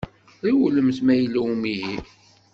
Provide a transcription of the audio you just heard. Rewlemt ma yella umihi.